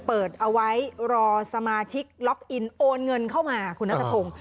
เปิดเอาไว้รอสมาชิกล็อกอินโอนเงินเข้ามาคุณนัทพงศ์